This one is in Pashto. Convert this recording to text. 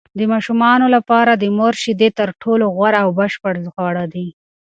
د ماشومانو لپاره د مور شیدې تر ټولو غوره او بشپړ خواړه دي.